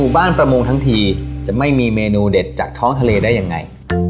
บ้านประมงทั้งทีจะไม่มีเมนูเด็ดจากท้องทะเลได้ยังไง